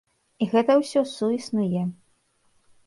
І гэта ўсё суіснуе.